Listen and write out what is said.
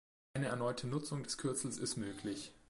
Eine erneute Nutzung des Kürzels ist möglich.